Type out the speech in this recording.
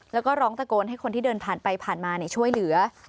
แล้วก็ร้องตะโกนให้คนที่เดินผ่านไปผ่านมาช่วยเหลือ